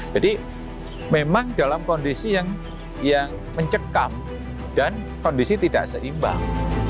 jadi memang dalam kondisi yang mencekam dan kondisi tidak seimbang